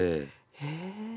へえ。